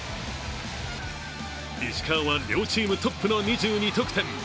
石川は両チームトップの２２得点。